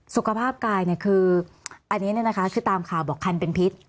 สุขภาพกายเนี่ยคืออันนี้เนี่ยนะคะคือตามข่าวบอกคันเป็นพิษ